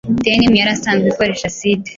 Denim yari isanzwe ikoresha acide